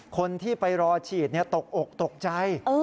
คนที่ไปรอฉีดตกอกตกใจ